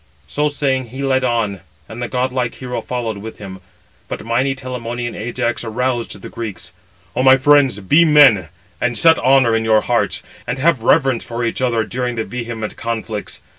So saying, he led on, and the godlike hero followed with him. But mighty Telamonian Ajax aroused the Greeks. "O my friends, be men, and set honour 498 in your hearts, and have reverence for each other during the vehement conflicts.